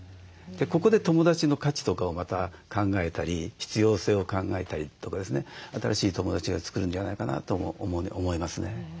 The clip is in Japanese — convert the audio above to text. ここで友だちの価値とかをまた考えたり必要性を考えたりとかですね新しい友だちを作るんじゃないかなとも思いますね。